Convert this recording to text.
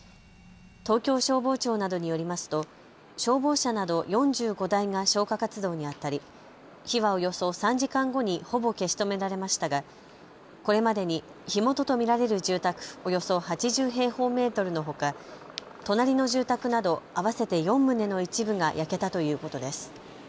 東京消防庁などによりますと消防車など４５台が消火活動にあたり火はおよそ３時間後にほぼ消し止められましたがこれまでに火元と見られる住宅およそ８０平方メートルのほか、隣の住宅など合わせて４棟の一部が焼けたということです。